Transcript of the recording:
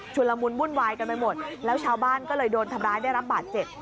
ละมุนวุ่นวายกันไปหมดแล้วชาวบ้านก็เลยโดนทำร้ายได้รับบาดเจ็บ